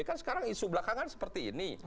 kan sekarang isu belakangan seperti ini